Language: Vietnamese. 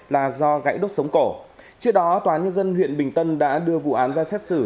là do gãy đốt sống cổ trước đó tòa nhân dân huyện bình tân đã đưa vụ án ra xét xử